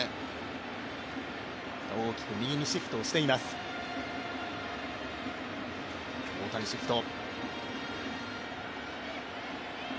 大きく右にシフトしています、大谷シフト。